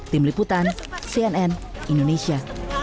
tim liputan cnn indonesia